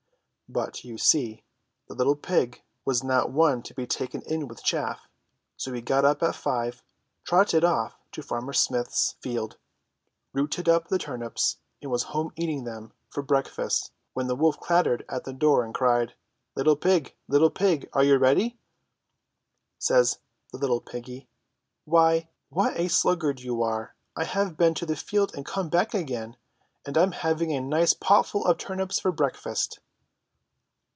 But, you see, the little pig was not one to be taken in with chaff, so he got up at five, trotted off to Farmer Smith's 176 ENGLISH FAIRY TALES field, rooted up the turnips, and was home eating them for breakfast when the wolf clattered at the door, and cried : "Little pig! Little pig! Aren't you ready?" "Ready?" says the little piggy. "Why! what a slug gard you are ! I've been to the field and come back again, and I'm having a nice potful of turnips for breakfast."